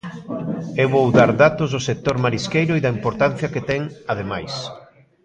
Eu vou dar datos do sector marisqueiro e da importancia que ten, ademais.